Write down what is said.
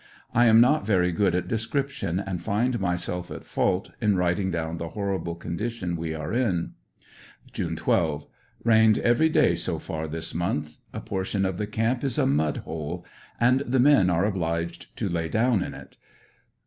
I am not very good at description, and find myself at fault in writing down the horrible condition we are in. June 12. — Rained every day so far this month. A portion of the camp is a mud hole, and the men are obliged to lay down in it.